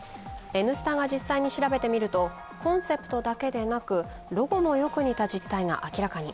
「Ｎスタ」が実際に調べてみると、コンセプトだけでなくロゴもよく似た実態が明らかに。